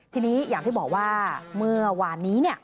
ทีนี้อย่างที่บอกว่าเมื่อวานนี้